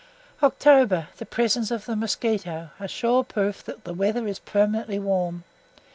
OCTOBER The presence of the mosquito, a sure proof that the weather is permanently warm.